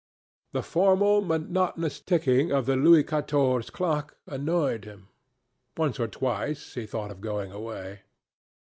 The formal monotonous ticking of the Louis Quatorze clock annoyed him. Once or twice he thought of going away.